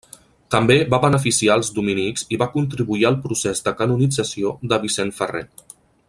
També va beneficiar els dominics i va contribuir al procés de canonització de Vicent Ferrer.